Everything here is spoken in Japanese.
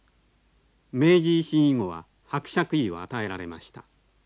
明治維新以後は伯爵位を与えられました。